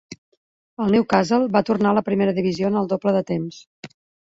El Newcastle va tornar a la primera divisió en el doble de temps.